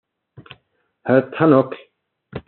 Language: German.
Herr Tannock!